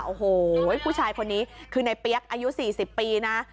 โอ้โหผู้ชายคนนี้คือในเปี๊ยกอายุ๔๐ปีนะ